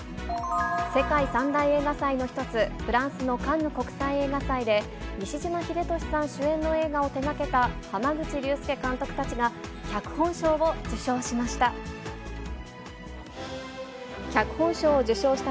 世界３大映画祭の１つ、フランスのカンヌ国際映画祭で、西島秀俊さん主演の映画を手がけた濱口竜介監督たちが、脚本賞を受賞しました。